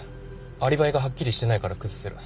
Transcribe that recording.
アリバイがはっきりしてないから崩せる。